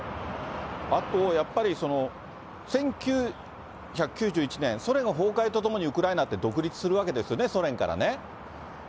あとやっぱり、１９９１年、ソ連が崩壊とともに、ウクライナって独立するわけですよね、ソ連からね。